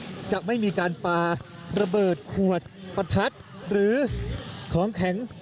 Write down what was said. โด่งานนั้นจะไม่มีการปาระเบิดขวดประทัดหรือของแข็ง